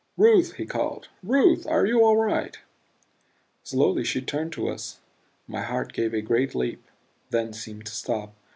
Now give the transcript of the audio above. "Ruth!" he called. "Ruth are you all right?" Slowly she turned to us my heart gave a great leap, then seemed to stop.